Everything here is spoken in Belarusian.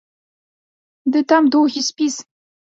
Ды там доўгі спіс.